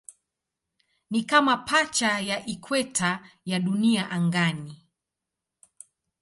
Ni kama pacha ya ikweta ya Dunia angani.